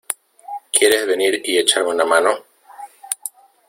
¿ Quieres venir y echarme una mano?